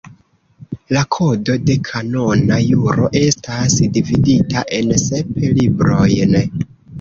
La Kodo de Kanona Juro estas dividita en sep librojn.